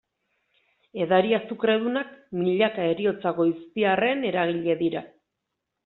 Edari azukredunak, milaka heriotza goiztiarren eragile dira.